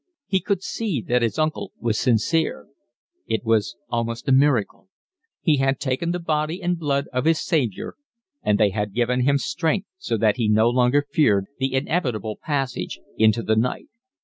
He could see that his uncle was sincere. It was almost a miracle. He had taken the body and blood of his Savior, and they had given him strength so that he no longer feared the inevitable passage into the night.